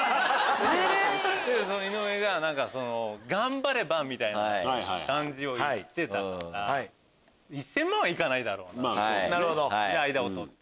井上が頑張ればみたいな感じを言ってたから１０００万はいかないだろうとで間を取って。